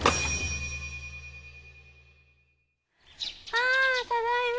あただいま。